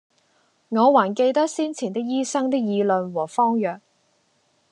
我還記得先前的醫生的議論和方藥，